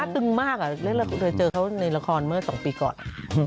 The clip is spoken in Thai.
ที่เจอเขาในละครเมื่อ๒ปีก่อน